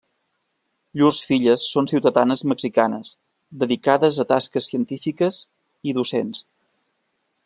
Llurs filles són ciutadanes mexicanes, dedicades a tasques científiques i docents.